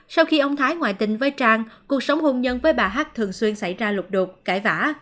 sau khi ông thái ngoại tình với trang cuộc sống hôn nhân với bà hát thường xuyên xảy ra lục đột cãi vã